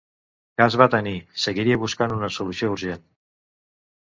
Cas va tenir, seguiria buscant una solució urgent.